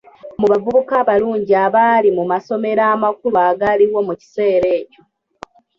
Mu bavubuka abalungi abaali mu masomero amakulu agaaliwo mu kiseera ekyo.